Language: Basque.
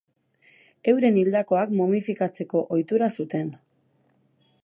Euren hildakoak momifikatzeko ohitura zuten.